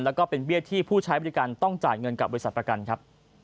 แล้วก็เป็นเบี้ยที่ผู้ใช้บริการต้องจ่ายเงินกับบริษัทประกันครับ